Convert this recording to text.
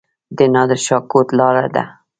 د نادر شاه کوټ لاره ده